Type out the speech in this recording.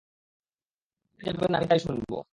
আপনি যা বলবেন আমি তাই শুনব।